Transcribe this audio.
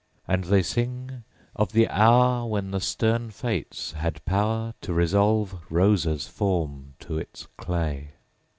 And they sing of the hour When the stern fates had power To resolve Rosa's form to its clay.